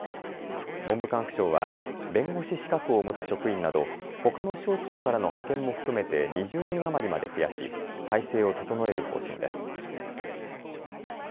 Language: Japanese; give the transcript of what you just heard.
文部科学省は弁護士資格を持つ職員など、ほかの省庁からの派遣も含めて２０人余りまで増やし体制を整える方針です。